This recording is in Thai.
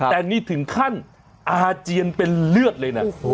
แต่นี่ถึงขั้นอาเจียนเป็นเลือดเลยนะ